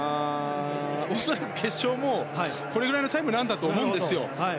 恐らく決勝も、これくらいのタイムだと思うんですよ。